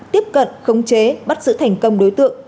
tiếp cận khống chế bắt giữ thành công đối tượng